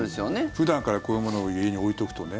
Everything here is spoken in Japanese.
普段からこういうものを家に置いておくとね。